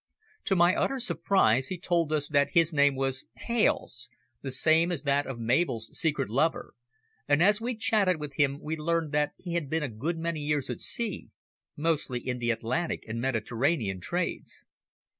To my utter surprise he told us that his name was Hales the same as that of Mabel's secret lover, and as we chatted with him we learned that he had been a good many years at sea, mostly in the Atlantic and Mediterranean trades.